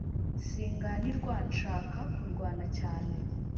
Singanirwa nshaka kurwana cyane.